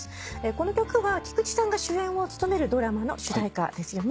この曲は菊池さんが主演を務めるドラマの主題歌ですよね。